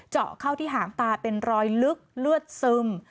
เจาะเข้าที่หางตาเป็นรอยลึกเลือดซึม